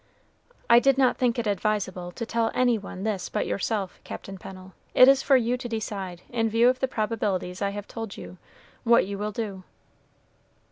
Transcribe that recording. "I did not think it advisable to tell any one this but yourself, Captain Pennel. It is for you to decide, in view of the probabilities I have told you, what you will do."